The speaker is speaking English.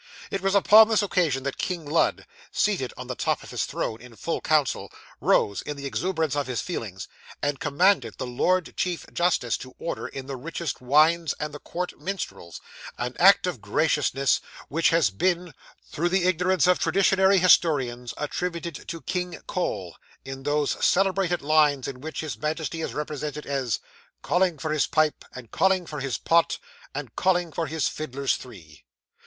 It was upon this occasion that King Lud, seated on the top of his throne in full council, rose, in the exuberance of his feelings, and commanded the lord chief justice to order in the richest wines and the court minstrels an act of graciousness which has been, through the ignorance of traditionary historians, attributed to King Cole, in those celebrated lines in which his Majesty is represented as Calling for his pipe, and calling for his pot, And calling for his fiddlers three.